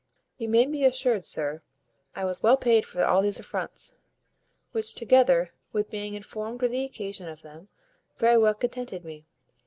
You may be assured, sir, I was well paid for all these affronts, which, together with being informed with the occasion of them, very well contented me.